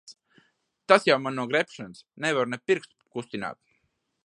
Tas jau man no grebšanas. Nevaru ne pirkstu kustināt.